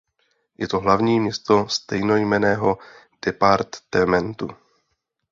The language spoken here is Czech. Je to hlavní město stejnojmenného departementu.